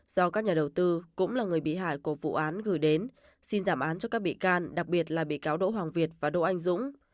do các nhà đầu tư cũng là người bị hại của vụ án gửi đến xin giảm án cho các bị can đặc biệt là bị cáo đỗ hoàng việt và đỗ anh dũng